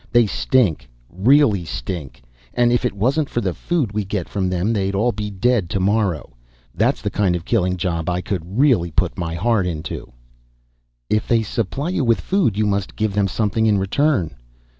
They stink, really stink, and if it wasn't for the food we get from them they'd all be dead tomorrow. That's the kind of killing job I could really put my heart into." "If they supply you with food, you must give them something in return?"